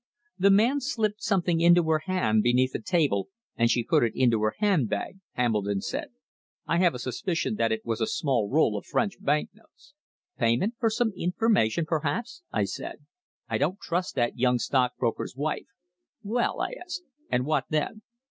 "The man slipped something into her hand beneath the table and she put it into her handbag," Hambledon said. "I have a suspicion that it was a small roll of French bank notes." "Payment for some information, perhaps," I said. "I don't trust that young stockbroker's wife. Well?" I asked. "And what then?"